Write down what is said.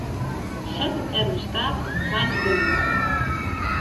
Set de termostaat op tweintich graden.